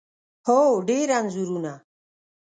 هو، ډیر انځورونه